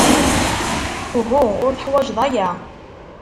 Uhu, ur teḥwajeḍ aya.